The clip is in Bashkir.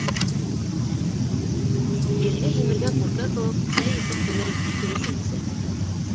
Елгә һимергән күркә кеүек, сәй эсеп һимереп тик йөрөй шул бисә.